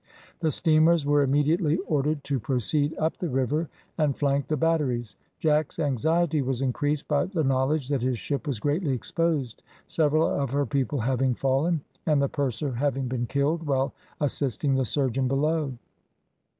The steamers were immediately ordered to proceed up the river and flank the batteries. Jack's anxiety was increased by the knowledge that his ship was greatly exposed, several of her people having fallen, and the purser having been killed while assisting the surgeon below.